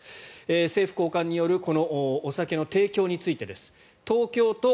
政府高官によるお酒の提供についてです。